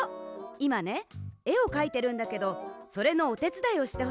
いまねえをかいてるんだけどそれのおてつだいをしてほしくて。